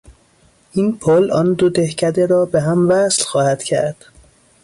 این پل آن دو دهکده را بههم وصل خواهد کرد.